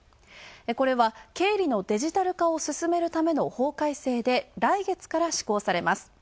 これは経理のデジタル化を進めるための法改正で、来月から施行されます。